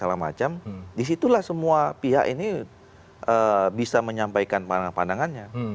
dari salah macam disitulah semua pihak ini bisa menyampaikan pandangannya